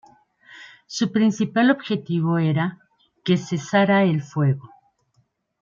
Su principal objetivo era que cesara el fuego.